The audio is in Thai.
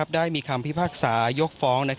ได้มีคำพิพากษายกฟ้อง